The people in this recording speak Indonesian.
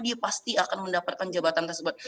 dia pasti akan mendapatkan jabatan tersebut